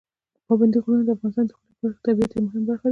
پابندي غرونه د افغانستان د ښکلي طبیعت یوه مهمه برخه ده.